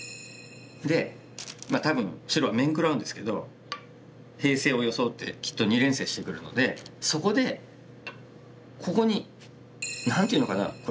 で多分白は面食らうんですけど平静を装ってきっと二連星してくるのでそこでここに何て言うのかなこれ。